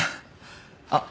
あっ！